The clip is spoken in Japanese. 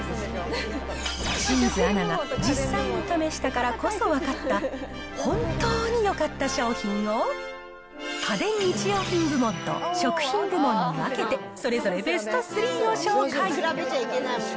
清水アナが実際に試したからこそ分かった、本当によかった商品を、家電・日用品部門と食品部門に分けて、それぞれベストスリーを紹介。